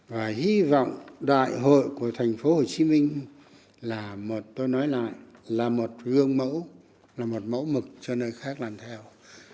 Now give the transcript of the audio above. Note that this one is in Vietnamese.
và hy vọng đại hội của thành phố hồ chí minh là một tôi nói lại là một gương mẫu là một mẫu mực cho nơi khác làm theo